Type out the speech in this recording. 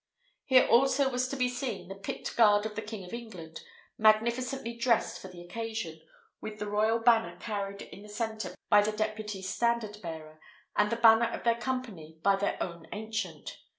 Here also was to be seen the picked guard of the King of England, magnificently dressed for the occasion, with the royal banner carried in their centre by the deputy standard hearer, and the banner of their company by their own ancient.